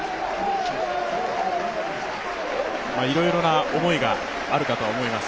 いろいろな思いがあるかとは思います。